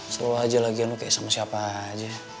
solo aja lagian lu kaya sama siapa aja